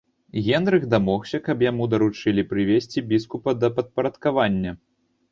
Генрых дамогся, каб яму даручылі прывесці біскупа да падпарадкавання.